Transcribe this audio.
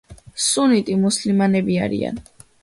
სუნიტი მუსლიმანები არიან.